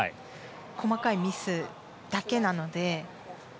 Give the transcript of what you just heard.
細かいミスだけなので。